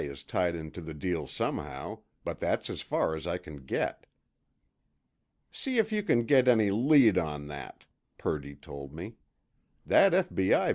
is tied into the deal somehow, but that's as far as I can get." "See if you can get any lead on that," Purdy told me. "That F.B.I.